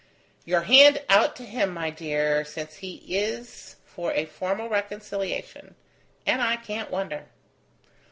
"Your hand out to him, my dear, since he is for a formal reconciliation; and I can't wonder."